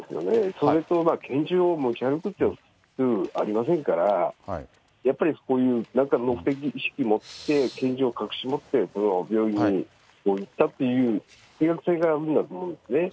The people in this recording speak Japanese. それと拳銃を持ち歩くっていうのは、普通ありませんから、やっぱりそういう、何かの目的意識を持って拳銃を隠し持って病院に行ったっていう、計画性があるんだと思うんですね。